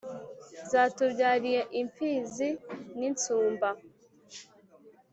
zatubyariye imfizi n’insumba